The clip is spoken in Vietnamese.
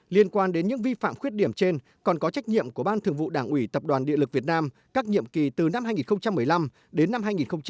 liên quan đến những vi phạm khuyết điểm trên còn có trách nhiệm của ban thường vụ đảng ủy tập đoàn điện lực việt nam các nhiệm kỳ từ năm hai nghìn một mươi năm đến năm hai nghìn hai mươi